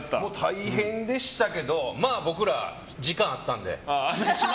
大変でしたけど僕ら時間あったんで。